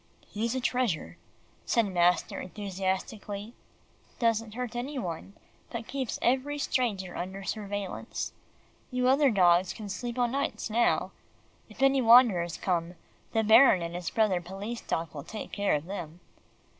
"He's a treasure," said master enthusiastically; "doesn't hurt any one but keeps every stranger under surveillance. You other dogs can sleep o' nights now. If any wanderers come, the Baron and his brother policeman dog will take care of them."